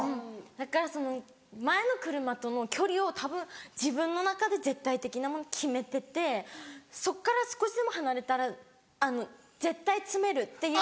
だから前の車との距離をたぶん自分の中で絶対的なもの決めててそっから少しでも離れたら絶対詰めるっていう。